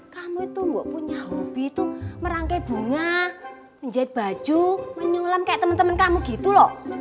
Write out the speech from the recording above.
kamu tuh gak punya hobi tuh merangkai bunga menjahit baju menyulam kayak temen temen kamu gitu loh